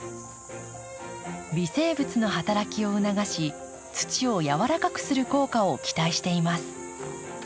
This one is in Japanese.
微生物の働きを促し土をやわらかくする効果を期待しています。